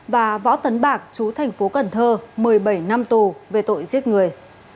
và võ tấn bạc chú thành phố cần thơ một mươi bảy năm tù về tội giết người